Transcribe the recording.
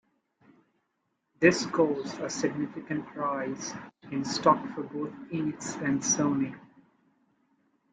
This caused a significant rise in stock for both Enix and Sony.